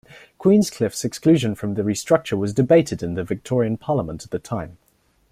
Queenscliffe's exclusion from the restructure was debated in the Victorian Parliament at the time.